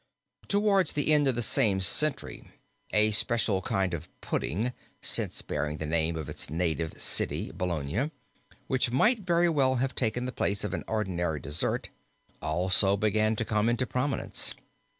Towards the end of the same century a special kind of pudding, since bearing the name of its native city, Bologna, which might very well have taken the place of an ordinary dessert, also began to come into prominence.